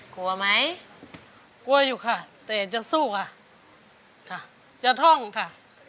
กลัวไหมกลัวอยู่ค่ะแต่จะสู้ค่ะค่ะจะท่องค่ะ